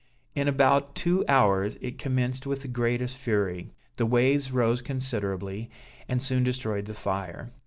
In a about two hours it commenced with the greatest fury; the waves rose considerably, and soon destroyed the fire.